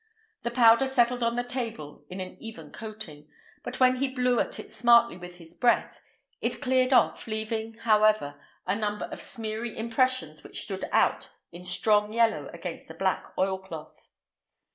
The powder settled on the table in an even coating, but when he blew at it smartly with his breath, it cleared off, leaving, however, a number of smeary impressions which stood out in strong yellow against the black oilcloth.